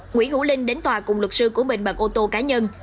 nguyễn hữu linh đến tòa cùng luật sư của mình bằng ô tô cá nhân